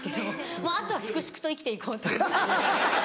もうあとは粛々と生きて行こうと。